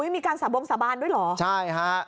มีการสาบงสาบานด้วยเหรอใช่ฮะ